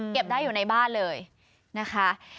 ได้อยู่ในบ้านเลยนะคะ